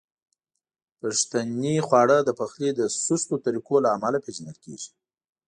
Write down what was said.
پښتني خواړه د پخلي د سستو طریقو له امله پیژندل کیږي.